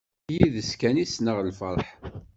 Yid-s kan ssneɣ lferḥ.